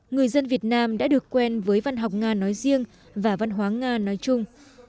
người dân việt nam đã được quen với văn học nga nói riêng và văn hóa nga nói chung